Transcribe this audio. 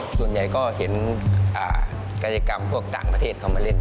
ส่วนใหญ่ก็เห็นกายกรรมพวกต่างประเทศเขามาเล่น